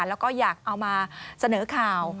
แล้วก็อยากเอามาเสนอข่าว